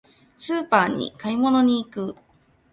スーパーに買い物に行く。